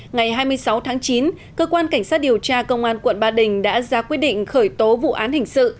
ngày hai mươi sáu tháng chín cơ quan cảnh sát điều tra công an quận ba đình đã ra quyết định khởi tố vụ án hình sự